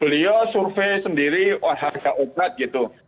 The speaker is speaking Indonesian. beliau survei sendiri oh harga obat gitu